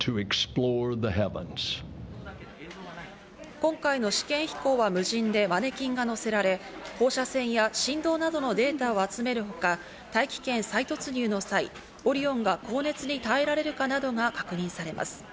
今回の試験飛行は無人で、マネキンが乗せられ、放射線や振動などのデータを集めるほか、大気圏再突入の際、「オリオン」が高熱に耐えられるかなどが確認されます。